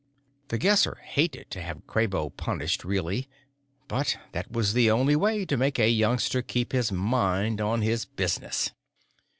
The Guesser hated to have Kraybo punished, really, but that was the only way to make a youngster keep his mind on his business.